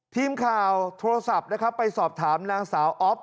ทีมข่าวโทรศัพท์นะครับไปสอบถามนางสาวอ๊อฟ